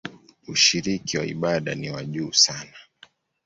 Ushiriki wa ibada ni wa juu sana.